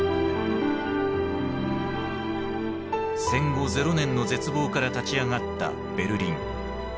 戦後ゼロ年の絶望から立ち上がったベルリン。